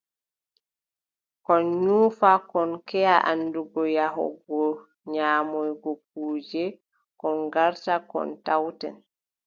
Kon nyuufa, kon keʼa anndugo yahugo nyaamoya kuuje, kon ngarta, kon tawten.